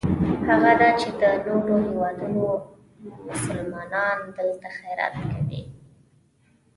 هغه دا چې د نورو هېوادونو مسلمانان دلته خیرات کوي.